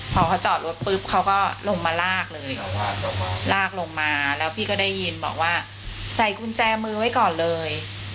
พอเขาจอดรถปุ๊บเขาก็ลงมาลากเลยลากลงมาแล้วพี่ก็ได้ยินบอกว่าใส่กุญแจมือไว้ก่อนเลย